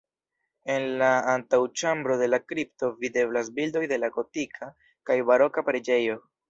En la antaŭĉambro de la kripto videblas bildoj de la gotika kaj baroka preĝejo.